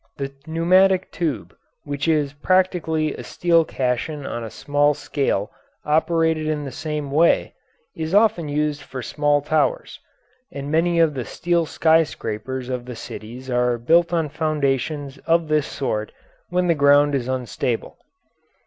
] The pneumatic tube, which is practically a steel caisson on a small scale operated in the same way, is often used for small towers, and many of the steel sky scrapers of the cities are built on foundations of this sort when the ground is unstable.